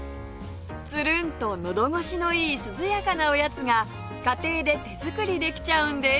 つるんとのどごしのいい涼やかなおやつが家庭で手作りできちゃうんです！